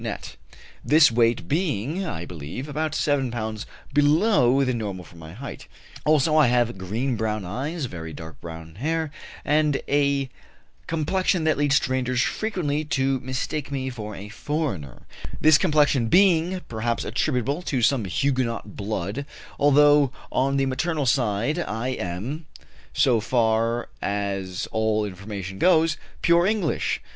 net this weight being, I believe, about 7 lbs. below the normal for my height. Also I have green brown eyes, very dark brown hair, and a complexion that leads strangers frequently to mistake me for a foreigner this complexion being, perhaps, attributable to some Huguenot blood, although on the maternal side I am, so far as all information goes, pure English.